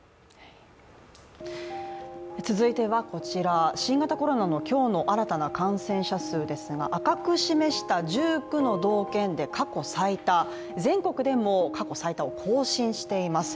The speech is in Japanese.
続いてはこちら、新型コロナの今日の新たな感染者数ですが赤く示した１９の道県で過去最多、全国でも過去最多を更新しています。